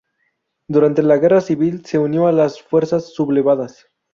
Durante la Guerra civil se unió a las fuerzas sublevadas.